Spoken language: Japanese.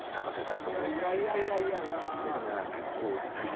僕ね結構。